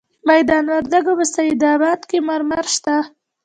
د میدان وردګو په سید اباد کې مرمر شته.